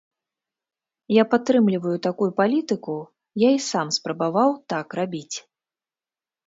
Я падтрымліваю такую палітыку, я і сам спрабаваў так рабіць.